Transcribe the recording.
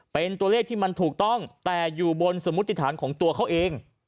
เป็นตัวเลขที่มันถูกต้องแต่อยู่บนสมุติฐานของตัวเขาเอง